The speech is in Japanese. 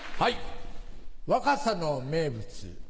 若狭の名物。